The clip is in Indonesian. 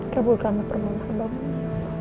kebulkanlah permohonan bagi allah